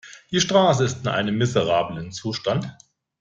Die Straße ist in einem miserablen Zustand.